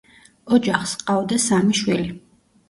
ოჯახს ჰყავდა სამი შვილი.